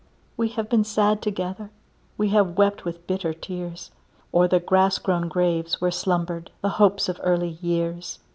We have been sad together; We have wept with bitter tears O'er the grass grown graves where slumbered The hopes of early years.